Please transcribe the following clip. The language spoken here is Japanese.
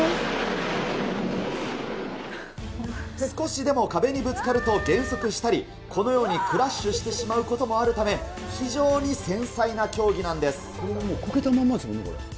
少しでも壁にぶつかると減速したり、このようにクラッシュしてしまうこともあるため、非常に繊細な競技なんです。